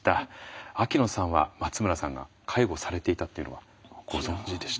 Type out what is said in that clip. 秋野さんは松村さんが介護されていたっていうのはご存じでした？